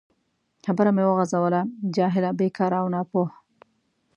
خبره مې وغځول: جاهله، بیکاره او ناپوه.